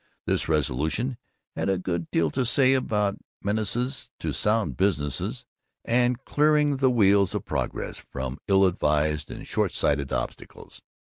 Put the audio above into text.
This resolution had a good deal to say about Menaces to Sound Business and clearing the Wheels of Progress from ill advised and short sighted obstacles.